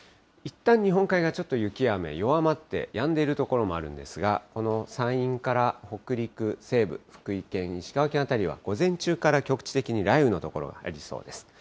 いったん日本海側、ちょっと雪や雨弱まって、やんでいる所もあるんですが、この山陰から北陸、西部、福井県、石川県辺りは、午前中から局地的に雷雨の所がありそうです。